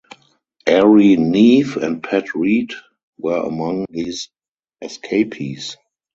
Airey Neave and Pat Reid were among these escapees.